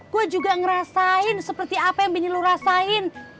gue juga ngerasain seperti apa yang bini lo rasain